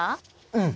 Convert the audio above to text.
うん！